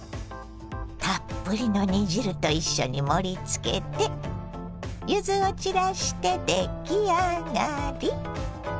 たっぷりの煮汁と一緒に盛りつけて柚子を散らして出来上がり。